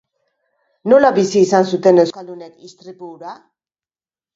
Nola bizi izan zuten euskaldunek istripu hura?